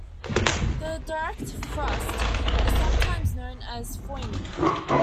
A direct thrust is sometimes known as "foining".